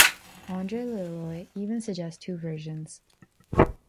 André Leroy even suggests two versions.